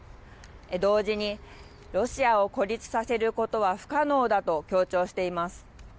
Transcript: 同時に、ロシアを孤立させることは不可能だと強調しています。